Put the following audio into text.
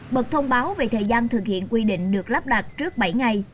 bật thông báo về thời gian thực hiện quy định được lắp đặt trước bảy ngày